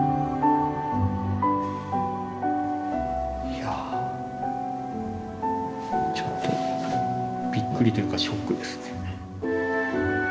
いやちょっとびっくりというかショックですね。